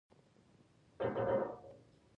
که شاه عالم ته د مهربانۍ نښه ورولېږې.